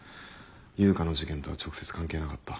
悠香の事件とは直接関係なかった。